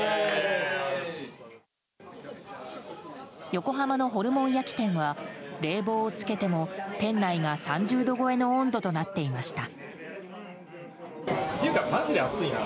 横浜のホルモン焼き店は冷房をつけても店内が３０度超えの温度となっていました。